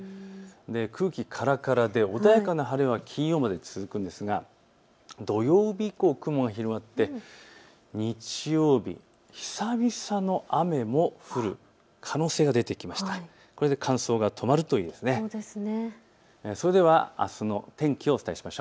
空気からからで穏やかな晴れは金曜まで続きますが土曜日以降、雲が広がって日曜日、久々の雨も降る可能性が出てきました。